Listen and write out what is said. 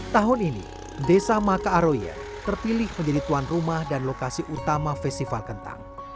tahun ini desa maka aroye terpilih menjadi tuan rumah dan lokasi utama festival kentang